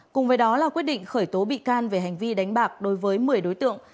cùng với đó là quyết định khởi tố bị can về hành vi đánh bạc đối với một mươi đối tượng